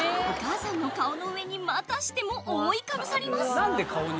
お母さんの顔の上にまたしても覆いかぶさります。